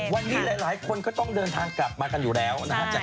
วันนี้หลายคนก็ต้องเดินทางกลับมากันอยู่แล้วนะฮะ